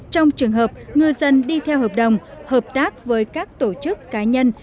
trong trường hợp ngư dân đi theo hợp đồng hợp tác với các tổ chức cá nhân